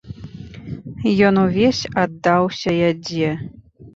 Ён увесь аддаўся ядзе.